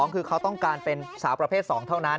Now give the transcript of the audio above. คือเขาต้องการเป็นสาวประเภท๒เท่านั้น